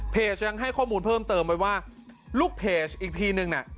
ยังให้ข้อมูลเพิ่มเติมไว้ว่าลูกเพจอีกทีนึงน่ะ